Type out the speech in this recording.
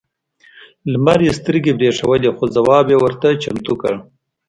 لمر یې سترګې برېښولې خو ځواب یې ورته چمتو کړ.